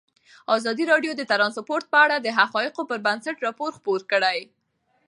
ازادي راډیو د ترانسپورټ په اړه د حقایقو پر بنسټ راپور خپور کړی.